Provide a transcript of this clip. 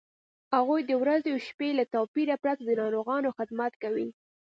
هغوی د ورځې او شپې له توپیره پرته د ناروغانو خدمت کوي.